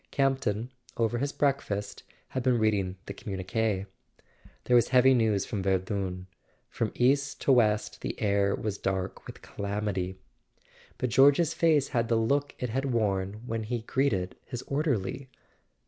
Campton, over his breakfast, had been reading the communique. There [ 378 ] A SON AT THE FRONT was heavy news from Verdun; from east to west the air was dark with calamity; but George's face had the look it had worn when he greeted his orderly.